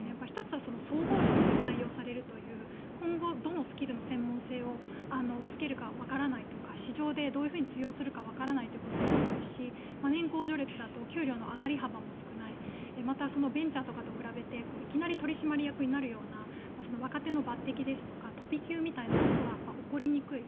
１つは総合職で採用されるという今後、どのスキルの専門性をつけるかわからないとか市場でどう通用するかわからないということもそうですし年功序列だと給料の上がり幅も少ないまたベンチャーとかと比べていきなり取締役になるとか若手の抜てきとか飛び級みたいなことが起こりにくい。